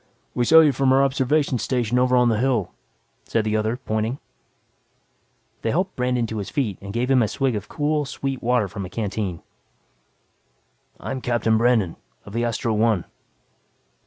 "We saw you from our observation station over on the hill," said the other pointing. They helped Brandon to his feet and gave him a swig of cool, sweet water from a canteen. "I'm Captain Brandon, of the Astro One."